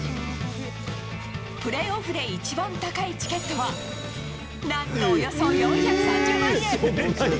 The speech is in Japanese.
プレーオフで一番高いチケットは、なんとおよそ４３０万円。